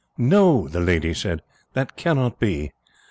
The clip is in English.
"No," the lady said, "that cannot be.